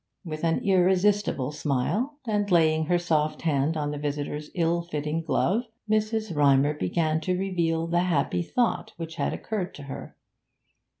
With an irresistible smile, and laying her soft hand on the visitor's ill fitting glove, Mrs. Rymer began to reveal the happy thought which had occurred to her.